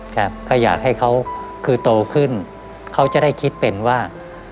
ครับก็อยากให้เขาคือโตขึ้นเขาจะได้คิดเป็นว่า